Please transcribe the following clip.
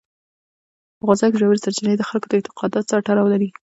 په افغانستان کې ژورې سرچینې د خلکو د اعتقاداتو سره تړاو لري.